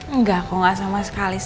enggak kok enggak sama sekali